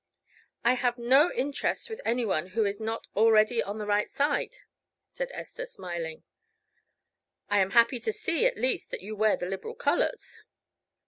"I have no interest with any one who is not already on the right side," said Esther smiling. "I am happy to see at least that you wear the Liberal colors."